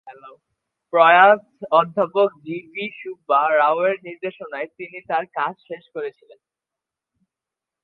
প্রয়াত অধ্যাপক G V Subba রাওয়ের নির্দেশনায় তিনি তার কাজ শেষ করেছিলেন।